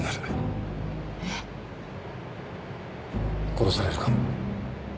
殺されるかも。